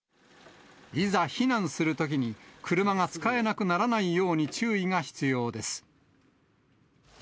いざ、避難するときに、車が使えなくならないように、注意が必要です。